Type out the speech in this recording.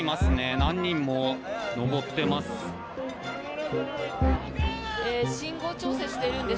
何人も上ってます。